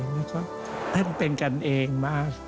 แล้วก็ท่านเป็นกันเองมา